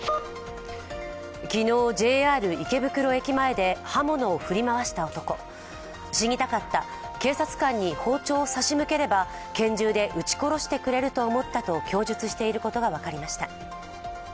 昨日、ＪＲ池袋駅前で刃物を振り回した男死にたかった、警察官に包丁を差し向ければ拳銃で撃ち殺してくれると思ったと供述していることが分かりました。